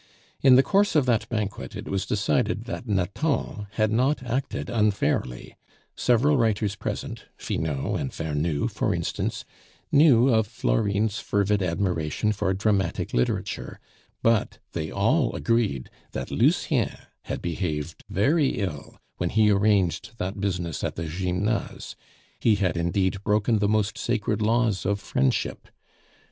In the course of that banquet it was decided that Nathan had not acted unfairly; several writers present Finot and Vernou, for instance, knew of Florine's fervid admiration for dramatic literature; but they all agreed that Lucien had behaved very ill when he arranged that business at the Gymnase; he had indeed broken the most sacred laws of friendship.